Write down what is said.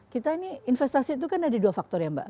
kita ini investasi itu kan ada dua faktor ya mbak